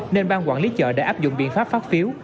nên bang quản lý chợ đã áp dụng biện pháp phát phiếu